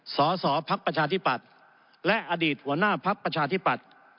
สสพักประชาธิปัตย์และอดีตหัวหน้าพักประชาธิปัตย์